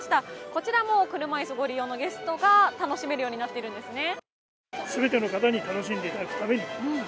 こちらも車椅子ご利用のゲストが楽しめるようになっているんですね。